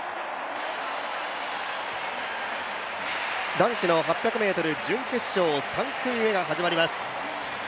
男子の８００ｍ準決勝３組目が始まります。